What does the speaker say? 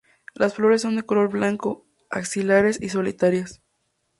Las flores son de color blanco, axilares y solitarias.